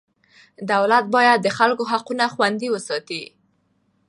دولت باید د خلکو حقونه خوندي وساتي.